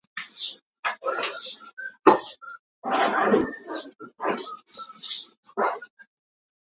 Uico a bo hnu khan kaa hngilh kho ti lo.